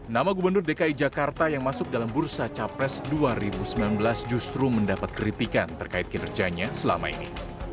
nama gubernur dki jakarta yang masuk dalam bursa capres dua ribu sembilan belas justru mendapat kritikan terkait kinerjanya selama ini